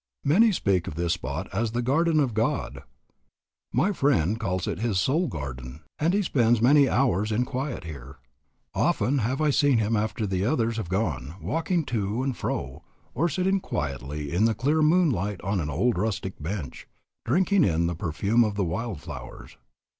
Many speak of this spot as the Garden of God. My friend calls it his Soul Garden, and he spends many hours in quiet here. Often have I seen him after the others have gone, walking to and fro, or sitting quietly in the clear moonlight on an old rustic bench, drinking in the perfume of the wild flowers.